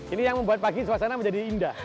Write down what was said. ini yang membuat pagi suasana menjadi indah